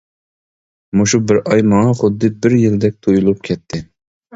مۇشۇ بىر ئاي ماڭا خۇددى بىر يىلدەك تۇيۇلۇپ كەتتى.